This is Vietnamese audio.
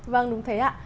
vâng đúng thế ạ